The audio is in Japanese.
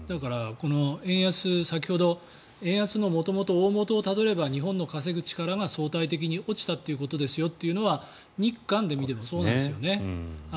円安先ほど円安の大元をたどれば日本の稼ぐ力が相対的に落ちたということですよというのは日韓で見てもそうなんですよね。